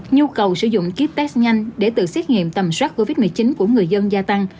nhu cầu sử dụng ký xét nghiệm nhanh để tự xét nghiệm tầm soát covid một mươi chín của người dân gia tăng